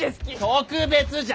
特別じゃ！